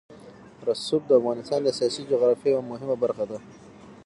رسوب د افغانستان د سیاسي جغرافیه یوه مهمه برخه ده.